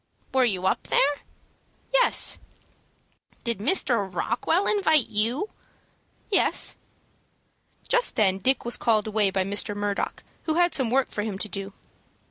"Were you up there?" "Yes." "Did Mr. Rockwell invite you?" "Yes." Just then Dick was called away by Mr. Murdock, who had some work for him to do.